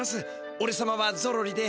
おれさまはゾロリで。